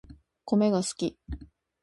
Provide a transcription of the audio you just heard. コメが好き